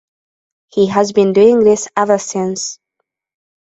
He has been doing this ever since.